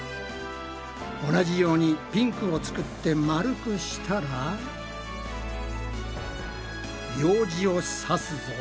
同じようにピンクを作って丸くしたらようじをさすぞ。